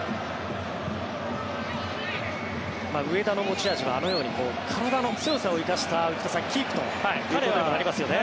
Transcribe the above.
上田の持ち味はあのように体の強さを生かした内田さん、キープということになりますよね。